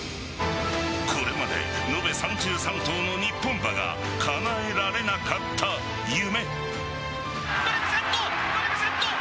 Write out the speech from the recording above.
これまで延べ３３頭の日本馬がかなえられなかった夢。